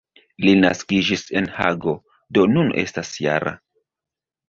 Li naskiĝis en Hago, do nun estas -jara.